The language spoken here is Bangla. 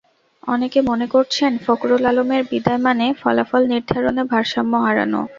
অনেকে মনে করছেন, ফখরুল আলমের বিদায় মানে ফলাফল নির্ধারণে ভারসাম্য হারানো।